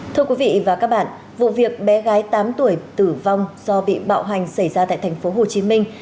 thưa quý vị và các bạn vụ việc bé gái tám tuổi tử vong do bị bạo hành xảy ra tại thành phố hồ chí minh